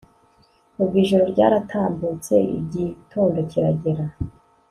ubwo ijoro ryaratambutse igitondo kiragera